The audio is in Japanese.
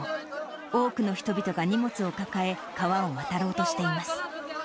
多くの人々が荷物を抱え、川を渡ろうとしています。